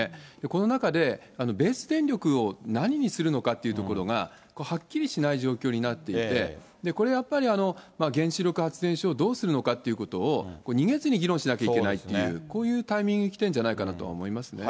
この中で、ベース電力を何にするのかっていうところが、はっきりしない状況になっていて、これやっぱり、原子力発電所をどうするのかっていうことを逃げずに議論しなきゃいけないっていう、こういうタイミングにきてるんじゃないかなとは思いますね。